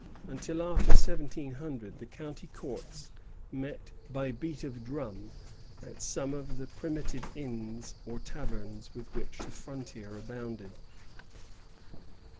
Until after 1700 the county courts met by beat of drum at some of the primitive inns or taverns with which the frontier abounded.